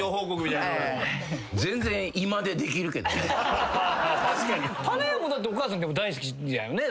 たなやんもだってお母さん大好きだよね。